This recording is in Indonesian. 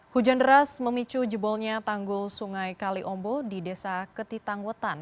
hujan deras memicu jebolnya tanggul sungai kaliombo di desa ketitangwetan